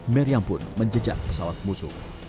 meriam pun menjejak pesawat musuh